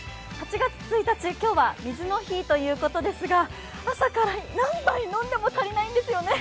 ８月１日、今日は水の日ということですが朝から何杯飲んでも足りないですよね。